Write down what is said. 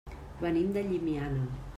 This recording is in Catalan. Venim de Llimiana.